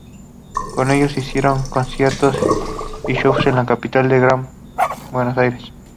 Con ellos hicieron conciertos y shows en Capital y el Gran Buenos Aires.